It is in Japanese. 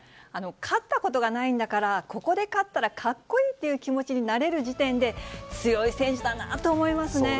勝ったことがないんだから、ここで勝ったらかっこいいっていう気持ちになれる時点で、強い選手だなと思いますね。